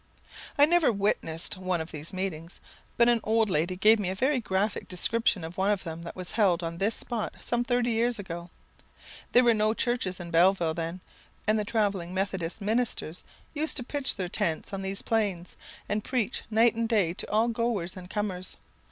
I never witnessed one of these meetings, but an old lady gave me a very graphic description of one of them that was held on this spot some thirty years ago. There were no churches in Belleville then, and the travelling Methodist ministers used to pitch their tents on these plains, and preach night and day to all goers and comers.